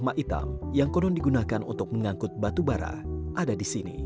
replika kereta uap e seribu enam puluh ma'itam yang konon digunakan untuk mengangkut batu bara ada di sini